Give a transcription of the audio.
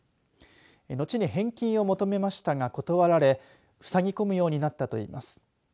後に返金を求めましたが断られ塞ぎ込むようになったといいます。